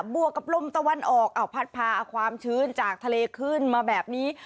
วกกับลมตะวันออกเอาพัดพาเอาความชื้นจากทะเลขึ้นมาแบบนี้